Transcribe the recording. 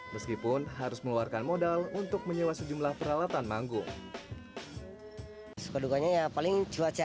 meskipun harus meluarkan modal untuk menyewa sejumlah peralatan manggung cuaca